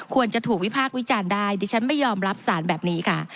ควรจะถูกวิพากษ์วิจารณ์ได้ดิฉันไม่ยอมรับสารแบบนี้ค่ะ